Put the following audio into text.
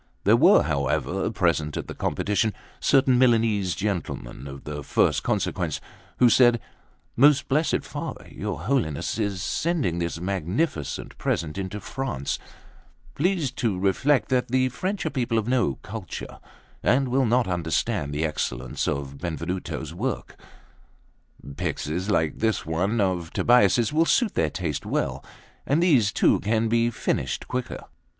There were, however, present at the competition certain Milanese gentlemen of the first consequence, who said: "Most blessed Father, your Holiness is sending this magnificent present into France; please to reflect that the French are people of no culture, and will not understand the excellence of Benvenuto's work; pyxes like this one of Tobbia's will suit their taste well, and these too can be finished quicker.